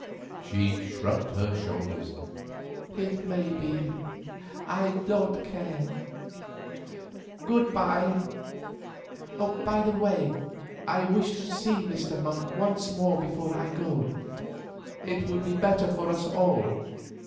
She shrugged her shoulders. "It may be; I don't care. Good bye. By the way, I wish to see Mr. Monk once more before I go; it would be better for us all.